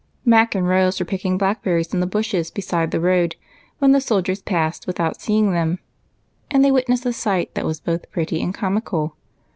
145 Mac and Rose were picking blackberries in the bushes beside the road when the soldiers passed with out seeing them, and they witnessed a sight that was both pretty and comical.